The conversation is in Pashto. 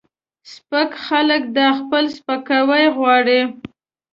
سپک خلک دا خپل سپکاوی غواړي